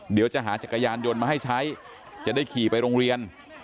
เดี๋ยวจะหาจักรยานยนต์มาให้ใช้จะได้ขี่ไปโรงเรียน